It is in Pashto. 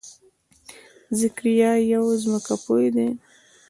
ذکریا یو ځمکپوه دی.